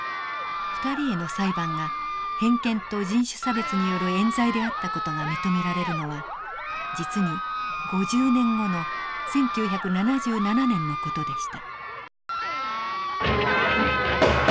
２人への裁判が偏見と人種差別による寃罪であった事が認められるのは実に５０年後の１９７７年の事でした。